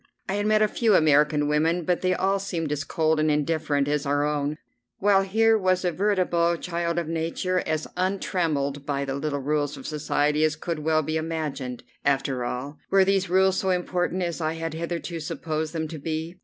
I had met a few American women, but they all seemed as cold and indifferent as our own, while here was a veritable child of nature, as untrammelled by the little rules of society as could well be imagined. After all, were these rules so important as I had hitherto supposed them to be?